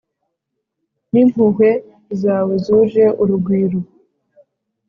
n'impuhwe zawe zuje urugwiru.